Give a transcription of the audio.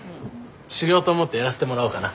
修行と思ってやらせてもらおうかな。